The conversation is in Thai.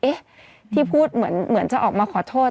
ที่พูดเหมือนจะออกมาขอโทษ